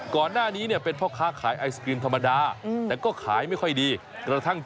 ก่อนหน้านี้เนี่ยเป็นพ่อค้าขายไอศกรีมธรรมดาแต่ก็ขายไม่ค่อยดีกระทั่ง